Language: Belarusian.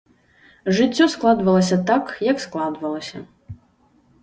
Жыццё складвалася так, як складвалася.